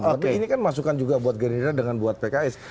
tapi ini kan masukan juga buat gerindra dengan buat pks